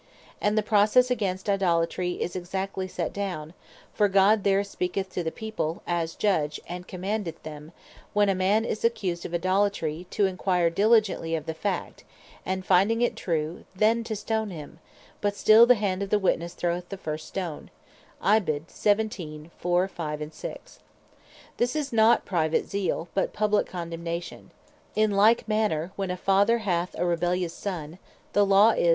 And (Deut. 17. ver.4, 5, 6.) the Processe against Idolatry is exactly set down: For God there speaketh to the People, as Judge, and commandeth them, when a man is Accused of Idolatry, to Enquire diligently of the Fact, and finding it true, then to Stone him; but still the hand of the Witnesse throweth the first stone. This is not Private Zeal, but Publique Condemnation. In like manner when a Father hath a rebellious Son, the Law is (Deut.